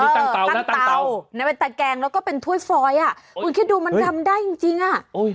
ตั้งเตานะเป็นตะแกงแล้วก็เป็นถ้วยฟอยอ่ะคุณคิดดูมันดำได้จริงจริงอ่ะ